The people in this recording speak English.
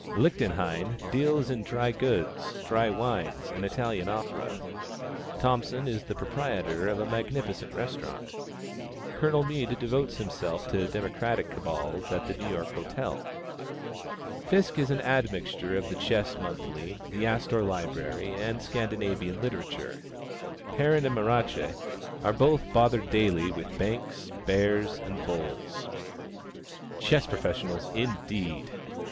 Lichtenhein deals in dry goods, dry wines and Italian opera; Thompson is the proprietor of a magnificent restaurant; Colonel Mead devotes himself to democratic cabals at the New York Hotel; Fiske is an admixture of the Chess Monthly, the Astor Library and Scandinavian literature; Perrin and Marache are bothered daily with banks, "bears" and "bulls." Chess professionals, indeed!